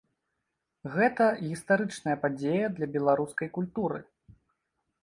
Гэта гістарычная падзея для беларускай культуры.